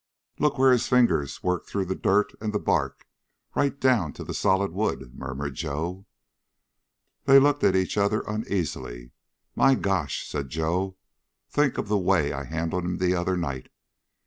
"Look where his finger tips worked through the dirt and the bark, right down to the solid wood," murmured Joe. They looked at each other uneasily. "My gosh," said Joe, "think of the way I handled him the other night!